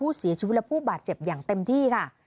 ผู้เสียชีวิตและผู้บาดเจ็บอย่างเต็มที่ค่ะ